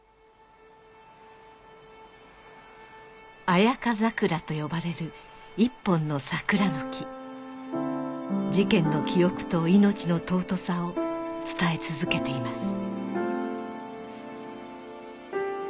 「彩花桜」と呼ばれる一本の桜の木事件の記憶と命の尊さを伝え続けています